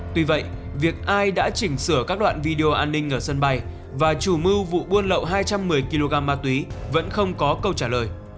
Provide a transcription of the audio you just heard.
tuy vậy việc ai đã chỉnh sửa các đoạn video an ninh ở sân bay và chủ mưu vụ buôn lậu hai trăm một mươi kg ma túy vẫn không có câu trả lời